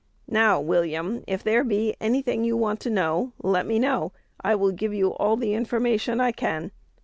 Now, William, if there be any thing you want to know, let me know: I will give you all the information I can.